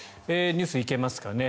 ニュース行けますかね。